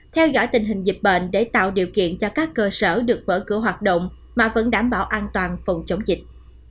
theo dõi tình hình dịch bệnh để tạo điều kiện cho các cơ sở được mở cửa hoạt động mà vẫn đảm bảo an toàn phòng chống dịch